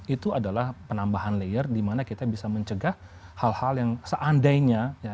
itu adalah penambahan layer di mana kita bisa mencegah hal hal yang seandainya